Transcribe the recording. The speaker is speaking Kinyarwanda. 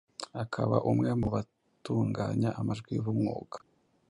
akaba umwe mu batunganya amajwi b’umwuga